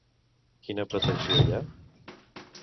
Quina pretensió hi ha?